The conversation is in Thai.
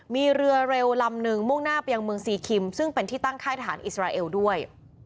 มีเรือเร็วลำนึงมุ่งหน้าไปยังเมืองซีคิมซึ่งเป็นที่ตั้งค่ายทหารอิสราเอลด้วย